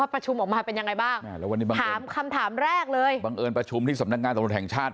ประชุมออกมาเป็นยังไงบ้างถามคำถามแรกเลยบังเอิญประชุมที่สำนักงานตำรวจแห่งชาติ